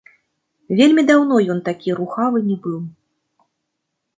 Вельмі даўно ён такі рухавы не быў.